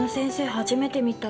初めて見た。